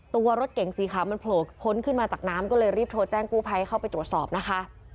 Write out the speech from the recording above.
ตัวรถเก่งสีขาวมันโผล่พ้นขึ้นมาจากน้ำก็เลยรีบโทรแจ้งกู้ภัยเข้าไปตรวจสอบนะคะ